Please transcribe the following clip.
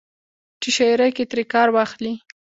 چې شاعرۍ کښې ترې کار واخلي